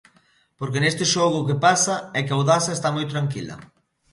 Porque neste xogo o que pasa é que Audasa está moi tranquila.